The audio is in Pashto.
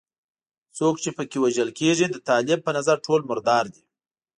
څوک چې په کې وژل کېږي د طالب په نظر ټول مردار دي.